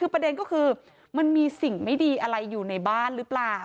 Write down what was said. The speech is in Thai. คือประเด็นก็คือมันมีสิ่งไม่ดีอะไรอยู่ในบ้านหรือเปล่า